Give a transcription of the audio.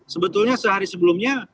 sebetulnya sehari sebelumnya